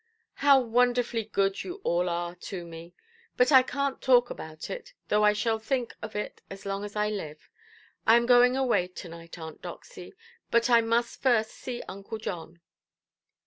"How wonderfully good you all are to me! But I canʼt talk about it, though I shall think of it as long as I live. I am going away to–night, Aunt Doxy, but I must first see Uncle John".